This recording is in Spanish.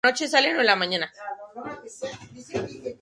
Productores asociados: Pablo Martín y Josu.